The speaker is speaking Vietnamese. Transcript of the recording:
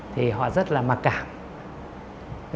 thì họ rất là mặc cảm